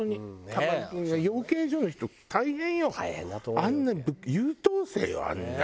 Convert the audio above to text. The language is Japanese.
あんな優等生よあんなね